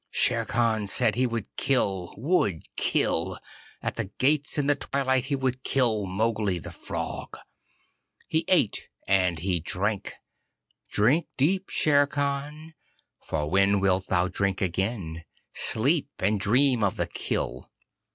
Shere Khan said he would kill would kill! At the gates in the twilight he would kill Mowgli, the Frog! He ate and he drank. Drink deep, Shere Khan, for when wilt thou drink again? Sleep and dream of the kill.